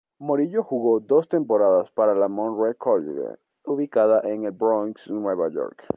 Morillo jugó dos temporadas para la Monroe College ubicada en el Bronx, Nueva York.